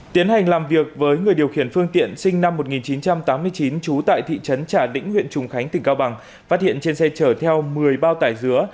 tiến hành làm việc với người điều khiển phương tiện sinh năm một nghìn chín trăm tám mươi chín trú tại thị trấn trà lĩnh huyện trùng khánh tỉnh cao bằng phát hiện trên xe chở theo một mươi bao tải dứa